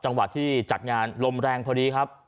มีจัดงานลมแรงพอดีครับ